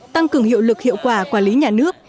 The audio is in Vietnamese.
tăng cường hiệu lực hiệu quả quản lý nhà nước